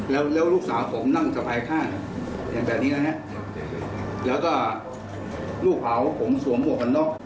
แล้วลูกสาวผมนั่งสะพายข้างอย่างแบบนี้นะครับแล้วก็ลูกเผาผมสวมหัวขันล่อ